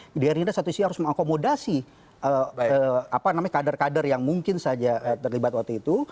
gerindra satu sisi harus mengakomodasi kader kader yang mungkin saja terlibat waktu itu